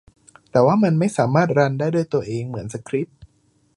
แต่ว่ามันไม่สามารถรันได้ด้วยตัวเองเหมือนสคริปต์